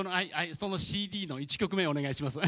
そのＣＤの１曲目お願いします。